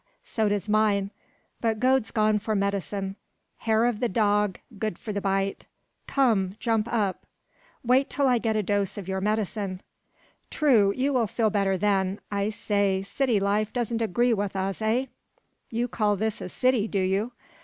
so does mine; but Gode's gone for medicine. Hair of the dog good for the bite. Come, jump up!" "Wait till I get a dose of your medicine." "True; you will feel better then. I say, city life don't agree with us, eh?" "You call this a city, do you?"